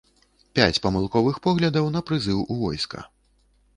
Пяць памылковых поглядаў на прызыў у войска.